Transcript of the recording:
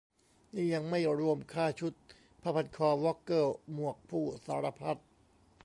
นี่ยังไม่รวมค่าชุด ผ้าพันคอ วอกเกิล หมวก พู่ สารพัด